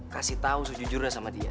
kasih tahu sejujurnya sama dia